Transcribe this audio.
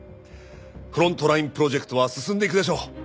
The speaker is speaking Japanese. フロントラインプロジェクトは進んでいくでしょう。